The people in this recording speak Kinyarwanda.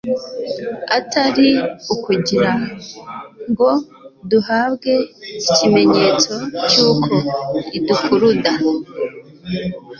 atari ukugira ngo duhabwe ikimenyetso cy'uko idukuruda,